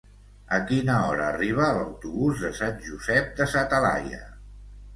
A quina hora arriba l'autobús de Sant Josep de sa Talaia?